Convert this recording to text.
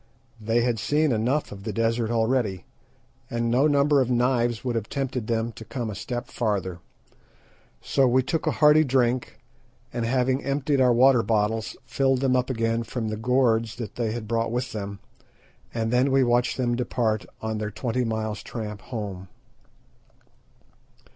They had seen enough of the desert already, and no number of knives would have tempted them to come a step farther. So we took a hearty drink, and having emptied our water bottles, filled them up again from the gourds that they had brought with them, and then watched them depart on their twenty miles' tramp home.